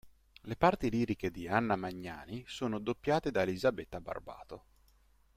Le parti liriche di Anna Magnani sono doppiate da Elisabetta Barbato.